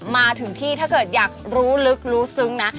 มาถึงที่ถ้าเกิดอยากรู้ลึกรู้ซึ้งนะ